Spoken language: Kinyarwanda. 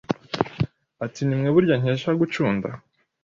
ati nimwe burya nkesha gucunda?